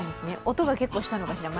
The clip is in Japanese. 音が結構したのかしら。